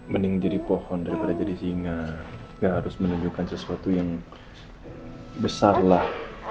mending jadi pohon daripada jadi singa gak harus menunjukkan sesuatu yang besar lah